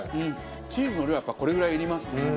チーズの量はやっぱりこれぐらいいりますね。